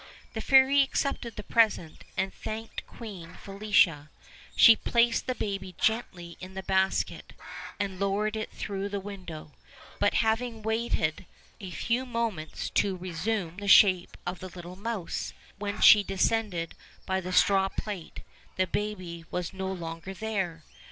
The fairy accepted the present and thanked Queen Felicia; she placed the baby gently in the basket, and lowered it through the window; but, having waited a few moments to resume the shape of the little mouse, when she descended by the straw plait, the baby was no longer there.